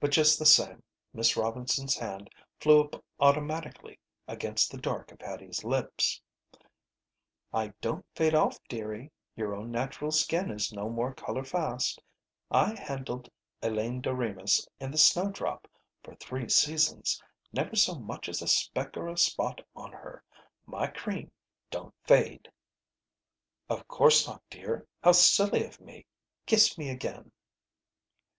But, just the same, Miss Robinson's hand flew up automatically against the dark of Hattie's lips. "I don't fade off, dearie. Your own natural skin is no more color fast. I handled Elaine Doremus in 'The Snowdrop' for three seasons. Never so much as a speck or a spot on her. My cream don't fade." "Of course not, dear! How silly of me! Kiss me again."